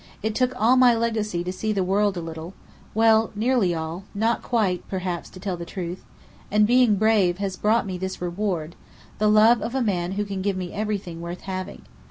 I took all my legacy to see the world a little well, nearly all, not quite, perhaps, to tell the truth. And being brave has brought me this reward: the love of a man who can give me everything worth having.